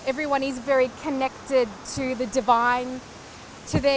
semua orang sangat terhubung dengan tuhan